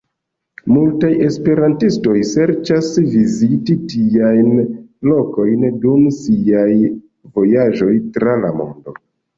Multaj esperantistoj serĉas viziti tiajn lokojn dum siaj vojaĝoj tra la mondo.